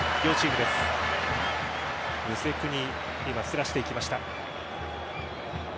ムセクニ今、すらしていきました。